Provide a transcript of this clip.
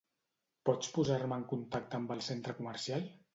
Pots posar-me en contacte amb el centre comercial?